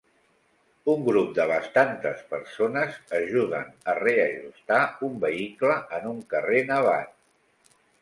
Un grup de bastantes persones ajuden a reajustar un vehicle en un carrer nevat.